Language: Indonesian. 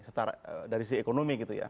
secara dari sisi ekonomi gitu ya